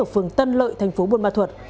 ở phường tân lợi thành phố buôn ma thuật